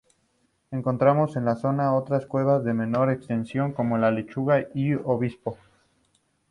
Encontramos en la zona otras cuevas de menor extensión como la Lechuga y Obispo.